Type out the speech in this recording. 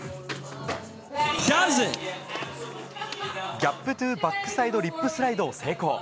ギャップトゥーバックサイドリップスライドを成功。